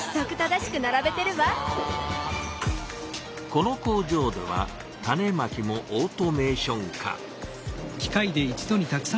この工場では種まきもオートメーション化。